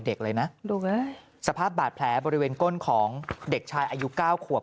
เด็กเลยนะดูนะสภาพบาดแผลบริเวณก้นของเด็กชายอายุเก้าขวบ